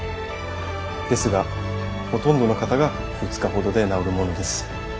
ですがほとんどの方が２日ほどで治るものです。